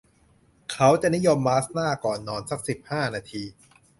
เขาจะนิยมมาสก์หน้าก่อนนอนสัก สิบห้า นาที